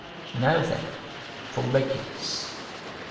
Now then for Regulus.